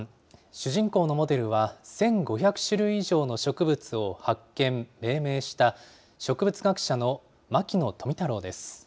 主人公のモデルは、１５００種類以上の植物を発見、命名した植物学者の牧野富太郎です。